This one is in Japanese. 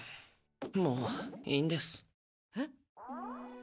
もういいんです。え？